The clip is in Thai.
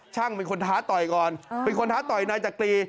ช่างเป็นคนท้าต่อยก่อนเป็นคนท้าต่อยนายจักรี